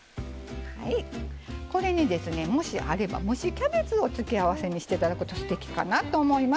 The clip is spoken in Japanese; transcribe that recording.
これにですねもしあれば蒸しキャベツを付け合わせにして頂くとすてきかなと思います。